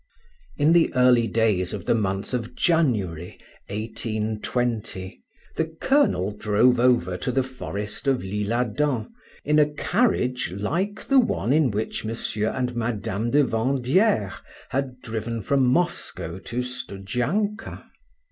In the early days of the month of January 1820, the colonel drove over to the Forest of l'Isle Adam in a carriage like the one in which M. and Mme. de Vandieres had driven from Moscow to Studzianka.